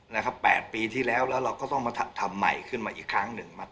นะครับ๘ปีที่แล้วแล้วเราก็ต้องมาทำใหม่ขึ้นมาอีกครั้งหนึ่ง